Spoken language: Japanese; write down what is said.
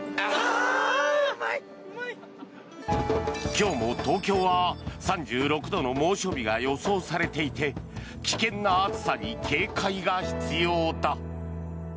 今日も東京は３６度の猛暑日が予想されていて危険な暑さに警戒が必要だ。